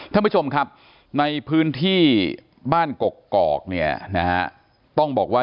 ท่านผู้ชมครับในพื้นที่บ้านกกอกต้องบอกว่า